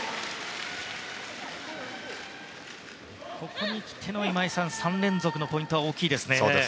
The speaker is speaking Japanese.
ここにきて、３連続のポイントは大きいですね。